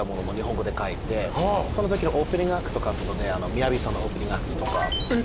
そのときのオープニングアクト活動でＭＩＹＡＶＩさんのオープニングアクトとか。